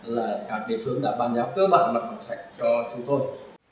là các địa phương đã ban giáo cơ bản mặt bằng sạch cho chúng tôi